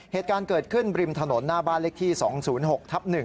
เหตุการณ์เกิดขึ้นริมถนนหน้าบ้านเลขที่๒๐๖ทับ๑